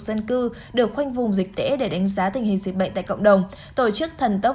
dân cư được khoanh vùng dịch tễ để đánh giá tình hình dịch bệnh tại cộng đồng tổ chức thần tốc